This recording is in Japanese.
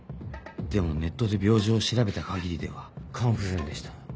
でもネットで病状を調べた限りでは肝不全でした。